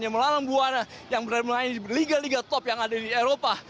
yang melalui buah yang berliga liga top yang ada di eropa